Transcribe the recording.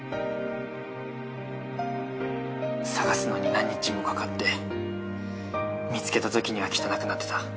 捜すのに何日もかかって見つけたときには汚くなってた。